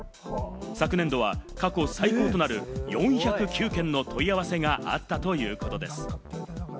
昨年度は過去最高となる４０９件の問い合わせがあったということです。